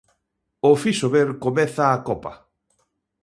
O Fisober comeza a copa.